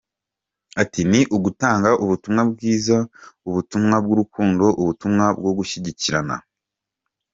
Ati :”Ni ugutanga ubutumwa bwiza, ubutumwa bw’urukundo, Ubutumwa bwo gushyigikirana.